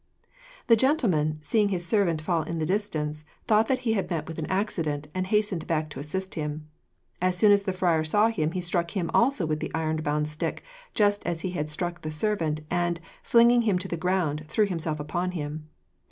The gentleman, seeing his servant fall in the distance, thought that he had met with an accident, and hastened back to assist him. As soon as the friar saw him, he struck him also with the iron bound stick, just as he had struck the servant, and, flinging him to the ground, threw himself upon him.